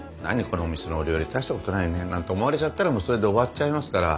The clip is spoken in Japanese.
このお店のお料理大したことないね」なんて思われちゃったらもうそれで終わっちゃいますから。